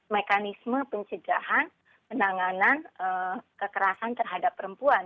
mekanisme pencegahan penanganan kekerasan terhadap perempuan